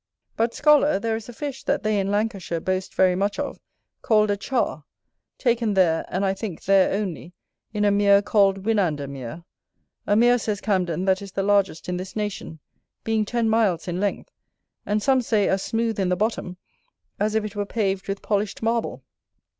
But, scholar, there is a fish that they in Lancashire boast very much of, called a CHAR; taken there, and I think there only, in a mere called Winander Mere; a mere, says Camden, that is the largest in this nation, being ten miles in length, and some say as smooth in the bottom as if it were paved with polished marble.